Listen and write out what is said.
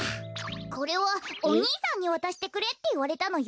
これはおにいさんにわたしてくれっていわれたのよ。